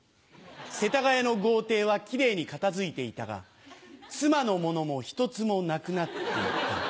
世田谷の豪邸はきれいに片づいていたが、妻のものも一つもなくなっていた。